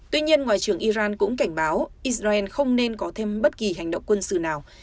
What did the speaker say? tuy nhiên ngoại trưởng iran cũng cảnh báo israel không nên có thêm bất kỳ hành động quân sự nào